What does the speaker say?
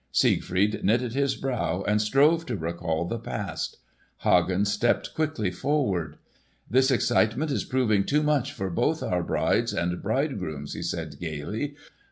Siegfried knitted his brow and strove to recall the past. Hagen stepped quickly forward. "This excitement is proving too much for both our brides and bridegrooms," he said gaily.